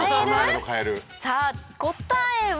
さぁ答えは。